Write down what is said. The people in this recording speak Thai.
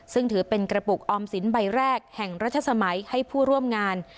ซึ่งถือเป็นกระปุกออมสินใบแรกแห่งรัชสมัยให้ผู้ร่วมงาน